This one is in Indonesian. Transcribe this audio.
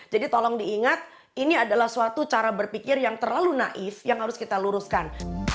jadi tolong diingat ini adalah suatu cara berpikir yang terlalu naif yang harus kita luruskan